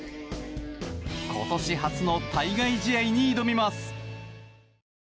今年初の対外試合に挑みます。